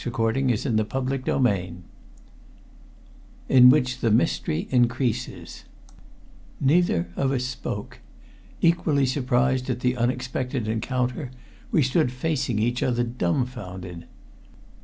I faced him, speechless. CHAPTER IV IN WHICH THE MYSTERY INCREASES Neither of us spoke. Equally surprised at the unexpected encounter, we stood facing each other dumbfounded.